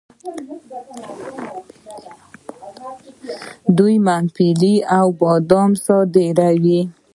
دوی ممپلی او بادام صادروي.